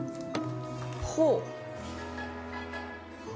ほう。